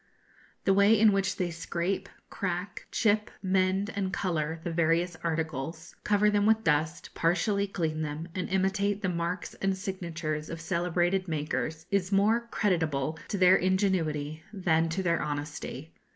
The way in which they scrape, crack, chip, mend, and colour the various articles, cover them with dust, partially clean them, and imitate the marks and signatures of celebrated makers, is more creditable to their ingenuity than to their honesty.